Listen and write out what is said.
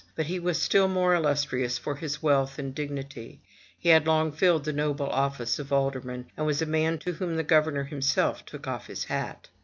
But he was still more illustrious for his wealth and dignity; he had long filled the noble office of alderman, and was a man to whom the governor himself took off his hat.